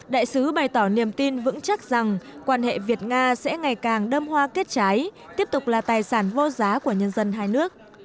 đại sứ bày tỏ niềm tin vững chắc rằng quan hệ việt nga sẽ ngày càng đâm hoa kết trái tiếp tục là tài sản vô giá của nhân dân hai nước